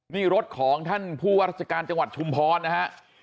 นี่รถของท่านผู้ว่าราชการจังหวัดชุมพรนะฮะ